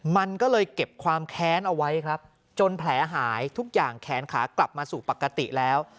มันก็เลยเก็บความแค้นเอาไว้ครับจนแผลหายทุกอย่างแขนขากลับมาสู่ปกติแล้ว